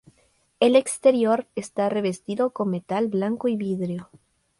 El exterior está revestido con metal blanco y vidrio.